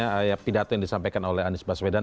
ada pidato yang disampaikan oleh anies baswedan